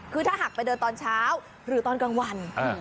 คือถ้าหากไปเดินตอนเช้าหรือตอนกลางวัน